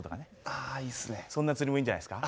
そんな釣りもいいんじゃないですか？